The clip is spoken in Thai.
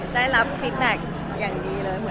ได้รับคลิกแบ็กอย่างดีเลย